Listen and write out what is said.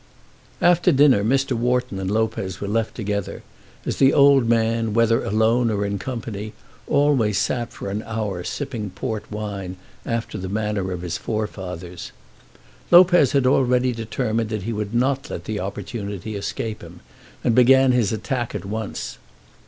After dinner Mr. Wharton and Lopez were left together, as the old man, whether alone or in company, always sat for an hour sipping port wine after the manner of his forefathers. Lopez had already determined that he would not let the opportunity escape him, and began his attack at once.